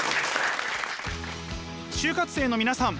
就活生の皆さん